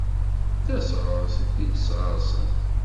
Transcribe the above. D aseɣres i t-id-sɣersen.